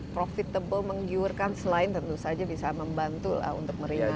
profitable menggiurkan selain tentu saja bisa membantu untuk meringankan